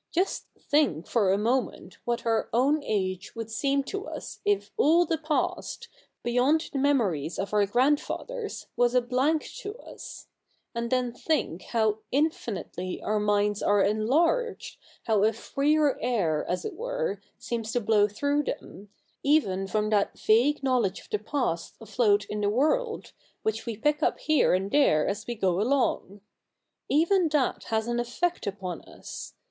Just think for a moment what our own age would seem to us if all the past, beyond the memories of our grandfathers, was a blank to us : and then think how infinitely our minds are enlarged, how a freer air, as it were, seems to blow through them, even from that vague knowledge of the past afloat in the world, which we pick up here and there as we go along. Even that has an effect upon us.